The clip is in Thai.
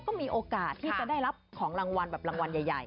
ก็มีโอกาสที่จะได้รับของรางวัลแบบรางวัลใหญ่